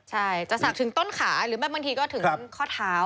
ใช่จะศักดิ์ถึงต้นขาหรือไม่บางทีก็ถึงข้อเท้า